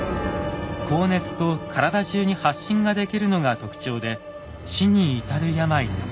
高熱と体中に発疹ができるのが特徴で死に至る病です。